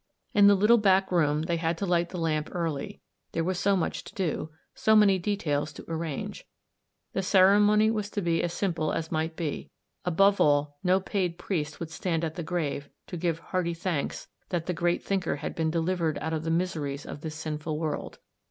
In the little back room they had to light the lamp early, there was so much to do, so many details to arrange. The ceremony was to be as simple as might be; above all, no paid priest would stand at the grave to give hearty thanks that the great thinker had been delivered out of the miseries of the sinful world.